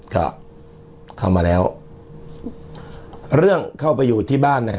ก็เข้ามาแล้วเรื่องเข้าไปอยู่ที่บ้านเนี่ย